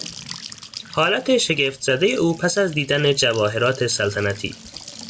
حالت شگفتزدهی او پس از دیدن جواهرات سلطنتی